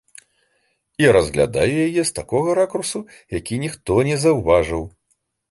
І разглядаю яе з такога ракурсу, які ніхто не заўважыў.